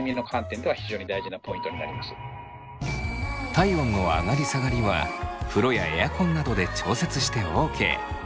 体温の上がり下がりは風呂やエアコンなどで調節してＯＫ。